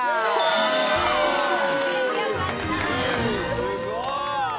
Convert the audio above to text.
すごい。